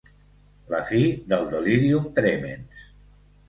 La fi del delírium trèmens.